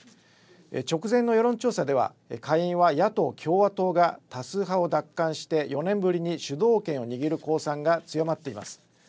直前の世論調査では下院は野党・共和党が多数派を奪還して４年ぶりに主導権を握る公算が強まっています。